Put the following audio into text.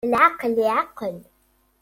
Lɛaqel iɛqel.